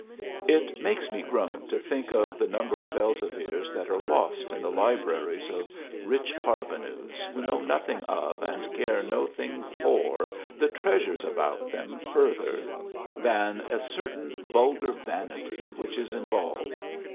It makes me groan to think of the number of Elzevirs that are lost in the libraries of rich parvenus who know nothing of and care no thing for the treasures about them further than a certain vulgar vanity which is involved.